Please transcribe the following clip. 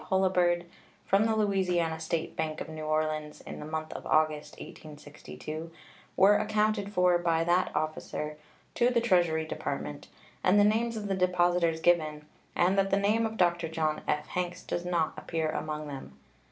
Holabird from the Louisiana State Bank of New Orleans in the month of August, 1862, were accounted for by that officer to the Treasury Department, and the names of the depositors given, and that the name of Dr. John F. Hanks does not appear among them.